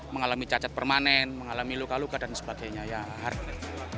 mengalami cacat permanen mengalami luka luka dan sebagainya ya harga